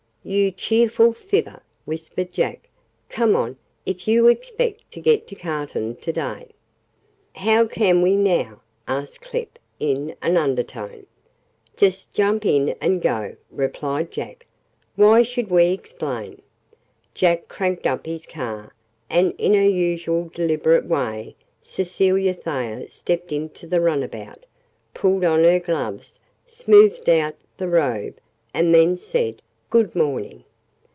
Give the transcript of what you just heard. "You cheerful fibber," whispered Jack. "Come on, if you expect to get to Cartown to day." "How can we, now?" asked Clip in an undertone. "Just jump in and go," replied Jack. "Why should we explain?" Jack cranked up his car, and in her usual deliberate way, Cecilia Thayer stepped into the runabout, pulled on her gloves, smoothed out the robe, and then said: "Good morning!"